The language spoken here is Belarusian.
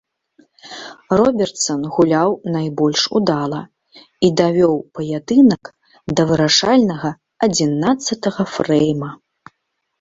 Робертсан гуляў найбольш удала і давёў паядынак да вырашальнага адзінаццатага фрэйма.